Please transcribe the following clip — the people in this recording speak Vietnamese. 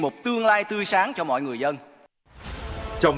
một tương lai tươi sáng cho mọi người dân